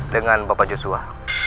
dengan bapak joshua